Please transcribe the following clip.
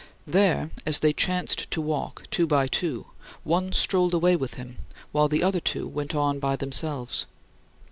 There, as they chanced to walk two by two, one strolled away with him, while the other two went on by themselves.